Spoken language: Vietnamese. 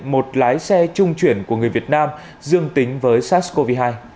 một lái xe trung chuyển của người việt nam dương tính với sars cov hai